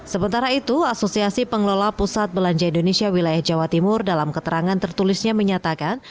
sementara itu asosiasi pengelola pusat belanja indonesia wilayah jawa timur dalam keterangan tertulisnya menyatakan